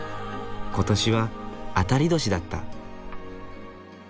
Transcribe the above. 今年は当たり年だった。